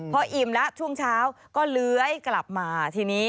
พออิ่มแล้วช่วงเช้าก็เลื้อยกลับมาทีนี้